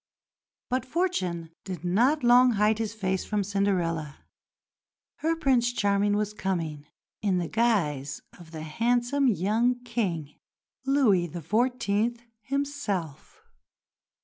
But Fortune did not long hide his face from Cinderella. Her "Prince Charming" was coming in the guise of the handsome young King, Louis XIV. himself.